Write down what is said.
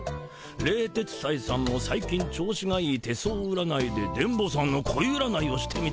「冷徹斎さんも最近調子がいい手相占いで電ボさんの恋占いをしてみたら？